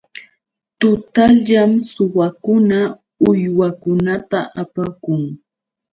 Tutallpam suwakuna uywakunata apakun.